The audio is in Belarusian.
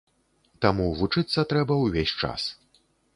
Таму вучыцца трэба ўвесь час.